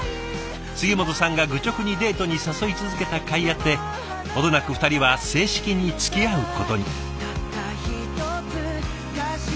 杉本さんが愚直にデートに誘い続けたかいあって程なく２人は正式につきあうことに。